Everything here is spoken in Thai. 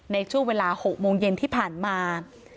ในช่วงเวลา๖โมงเย็นที่ผ่านมา